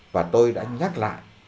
và tôi đã nhắc lại